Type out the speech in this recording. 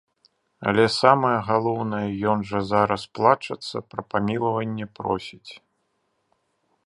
Але самае галоўнае, ён жа зараз плачацца, пра памілаванне просіць.